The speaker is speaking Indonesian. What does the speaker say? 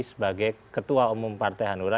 sebagai ketua umum partai hanura